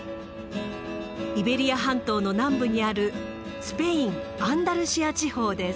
イベリア半島の南部にあるスペイン・アンダルシア地方です。